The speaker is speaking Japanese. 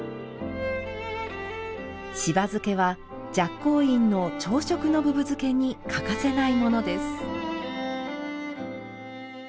しば漬けは寂光院の朝食のぶぶ漬けに欠かせないものです。